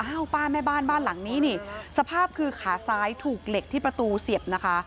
ป้าแม่บ้านบ้านหลังนี้นี่สภาพคือขาซ้ายถูกเหล็กที่ประตูเสียบนะคะ